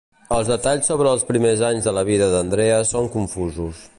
Els detalls sobre els primers anys de la vida d'Andrea són confusos.